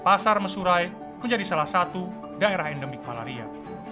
pasar mesurai menjadi salah satu daerah endemik malaria